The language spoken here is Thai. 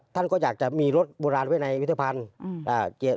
ท่านก็อยากจะมีรถโบราณไว้ในพิธภัณฑ์